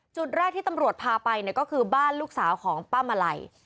จุดแรกที่ตำรวจพาไปเนี่ยก็คือบ้านลูกสาวของป้ามาลัย